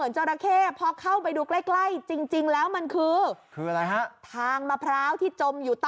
เจาระแค่ไหนอยู่ใกล้เลย